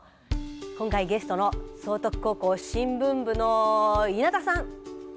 今回ゲストの崇徳高校新聞部の稲田さん。